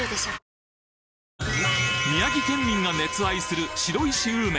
宮城県民が熱愛する白石温麺